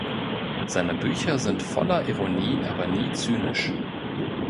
Seine Bücher sind voller Ironie, aber nie zynisch.